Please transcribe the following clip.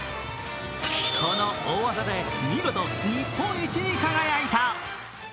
この大技で見事日本一に輝いた。